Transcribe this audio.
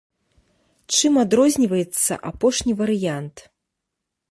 Чым адрозніваецца апошні варыянт?